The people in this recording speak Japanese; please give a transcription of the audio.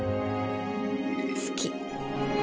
好き。